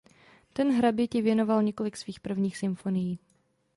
Ten hraběti věnoval několik svých prvních symfonií.